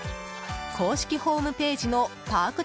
公式ホームページのパーク